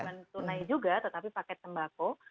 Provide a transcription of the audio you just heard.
mencintai juga tetapi paket sembako